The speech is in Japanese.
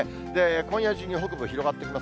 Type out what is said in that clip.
今夜中に北部広がってきます。